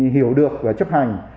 hiểu được và chấp hành